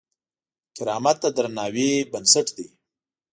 کرامت د درناوي بنسټ دی.